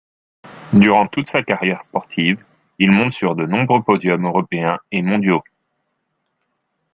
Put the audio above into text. Durant toute sa carrière sportive, il monte sur de nombreux podiums européens et mondiaux.